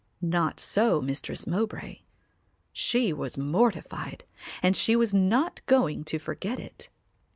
Not so Mistress Mowbray. She was mortified and she was not going to forget it.